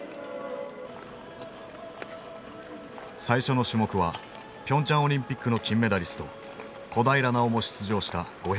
最初の種目はピョンチャン・オリンピックの金メダリスト小平奈緒も出場した５００ｍ。